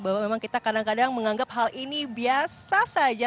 bahwa memang kita kadang kadang menganggap hal ini biasa saja